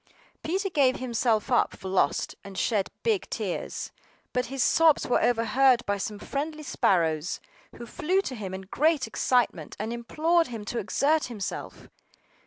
PETER gave himself up for lost, and shed big tears; but his sobs were overheard by some friendly sparrows, who flew to him in great excitement, and implored him to exert himself.